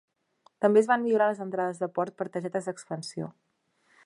També es van millorar les entrades de port per targetes d'expansió.